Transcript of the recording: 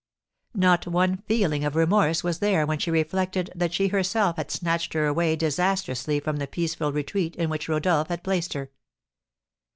Not one feeling of remorse was there when she reflected that she herself had snatched her away disastrously from the peaceful retreat in which Rodolph had placed her.